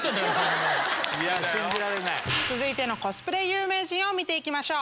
続いてのコスプレ有名人を見て行きましょう。